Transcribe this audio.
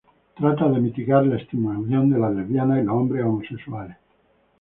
Trata de mitigar la estigmatización de las lesbianas y los hombres homosexuales.